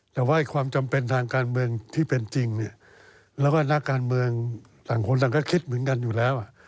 แต่ว่าความจำเป็นทางการเมืองที่เป็นจริงเนี่ยแล้วก็นักการเมืองต่างคนต่างก็คิดเหมือนกันอยู่แล้ว